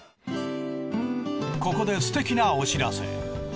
ここで素敵なお知らせ。